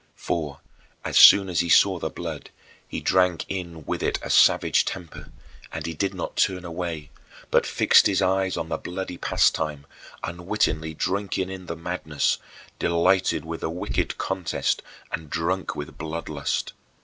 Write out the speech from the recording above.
For, as soon as he saw the blood, he drank in with it a savage temper, and he did not turn away, but fixed his eyes on the bloody pastime, unwittingly drinking in the madness delighted with the wicked contest and drunk with blood lust.